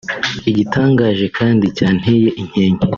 Igitangaje kandi cyanteye inkeke